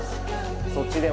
そっちでも。